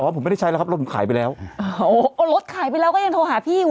ผมไม่ได้ใช้แล้วครับรถผมขายไปแล้วเอารถขายไปแล้วก็ยังโทรหาพี่อยู่